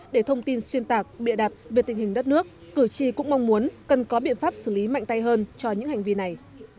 để thông tin xuyên tạc bịa đặt về tình hình đất nước cử tri cũng mong muốn cần có biện pháp xử lý mạnh tay hơn cho những hành vi này